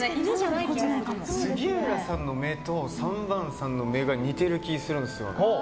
杉浦さんの目と３番さんの目が似てる気するんですよ。